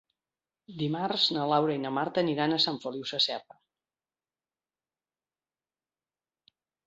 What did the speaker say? Dimarts na Laura i na Marta aniran a Sant Feliu Sasserra.